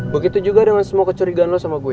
begitu juga dengan semua kecurigaan lo sama gue